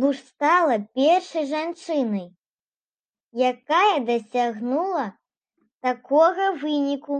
Буш стала першай жанчынай, якая дасягнула такога выніку.